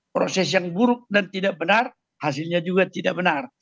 proses yang buruk dan tidak benar hasilnya juga tidak benar